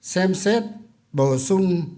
xem xét bổ sung